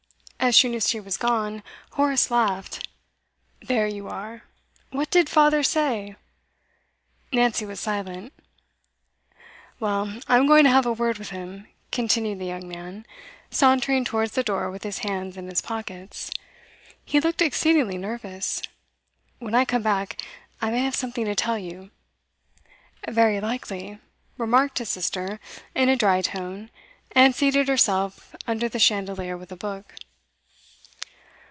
As soon as she was gone, Horace laughed. 'There you are! What did father say?' Nancy was silent. 'Well, I'm going to have a word with him,' continued the young man, sauntering towards the door with his hands in his pockets. He looked exceedingly nervous. 'When I come back, I may have something to tell you.' 'Very likely,' remarked his sister in a dry tone, and seated herself under the chandelier with a book.